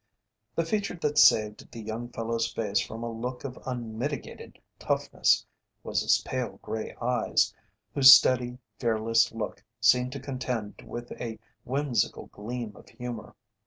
The feature that saved the young fellow's face from a look of unmitigated "toughness" was his pale gray eyes, whose steady, fearless look seemed to contend with a whimsical gleam of humour.